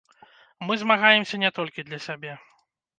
Мы змагаемся не толькі для сябе.